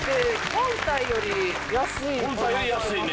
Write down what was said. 本体より安いね。